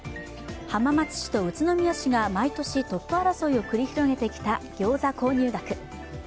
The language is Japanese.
浜松市と宇都宮市が毎年トップ争いを繰り広げてきたギョーザ購入額。